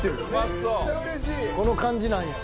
この感じなんや。